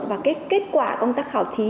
và cái kết quả công tác khảo thí